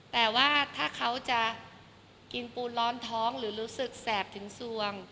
แต่ว่าถ้าเขาจะกินปูนร้อนท้องหรือรู้สึกแสบถึงสวง